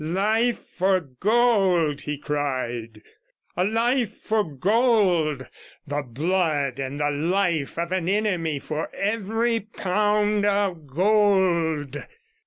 'Life for gold,' he cried, 'a life for gold. The blood and the life of an enemy for every pound of gold.'